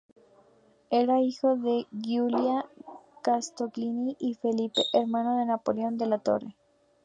Era hijo de Giulia Castiglioni y Felipe, hermano de Napoleón della Torre.